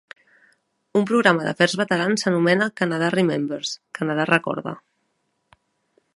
Un programa d'Afers Veterans s'anomena Canada Remembers (Canadà recorda).